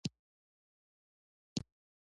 هندوانه سور زړه لري.